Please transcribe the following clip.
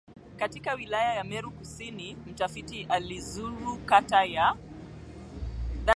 Katika wilaya ya Meru Kusini mtafiti alizuru kata ya